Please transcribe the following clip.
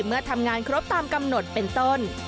เมื่อทำงานครบตามกำหนดเป็นต้น